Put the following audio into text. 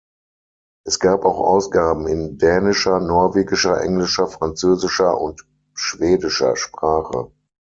Es gab auch Ausgaben in dänischer, norwegischer, englischer, französischer und schwedischer Sprache.